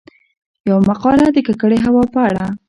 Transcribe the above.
يومـقاله د کـکړې هـوا په اړه :